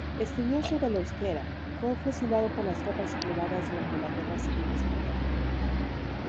Estudioso del Euskera, fue fusilado por las tropas sublevadas durante la Guerra Civil española.